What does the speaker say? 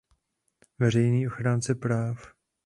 Veřejný ochránce práv.